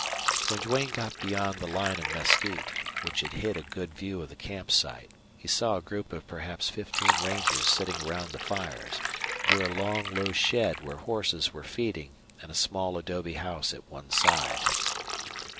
When Duane got beyond the line of mesquite, which had hid a good view of the camp site, he saw a group of perhaps fifteen rangers sitting around the fires, near a long low shed where horses were feeding, and a small adobe house at one side.